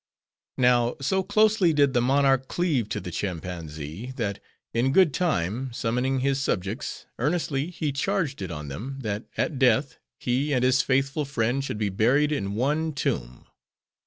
Now, so closely did the monarch cleave to the Chimpanzee, that, in good time, summoning his subjects, earnestly he charged it on them, that at death, he and his faithful friend should be buried in one tomb.